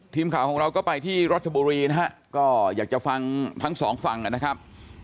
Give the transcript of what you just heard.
ทีมข่าวของเราก็ไปที่รัชบุรีนะฮะก็อยากจะฟังทั้งสองฝั่งนะครับ